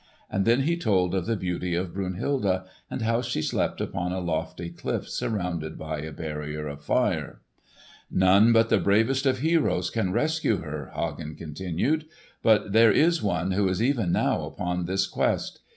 And then he told of the beauty of Brunhilde, and how she slept upon a lofty cliff surrounded by a barrier of fire. "None but the bravest of heroes can rescue her," Hagen continued. "But there is one who is even now upon this quest.